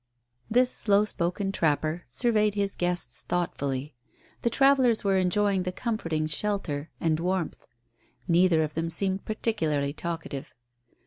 This slow spoken trapper surveyed his guests thoughtfully. The travellers were enjoying the comforting shelter and warmth. Neither of them seemed particularly talkative.